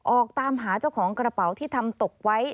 ออกตามหาเจ้าของกระเป๋าที่ทำตกไว้